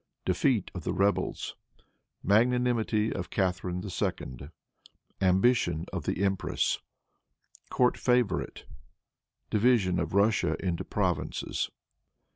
Defeat of the Rebels. Magnanimity of Catharine II. Ambition of the Empress. Court Favorite. Division of Russia into Provinces.